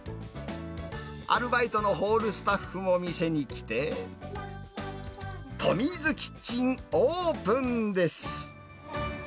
アルバイトのホールスタッフも店に来て、トミーズキッチン、オープンです。